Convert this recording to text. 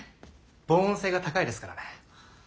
防音性が高いですからね。